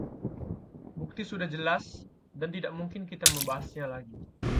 bukti sudah jelas dan tidak mungkin kita membahasnya lagi